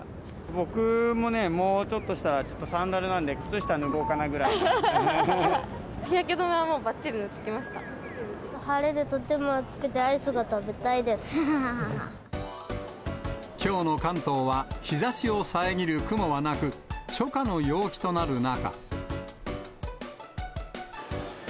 僕もね、もうちょっとしたら、サンダルなんで、日焼け止めはもうばっちり塗晴れてとっても暑くて、きょうの関東は、日ざしをさえぎる雲はなく、初夏の陽気となる中。